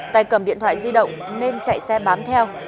tài cầm điện thoại di động nên chạy xe bám theo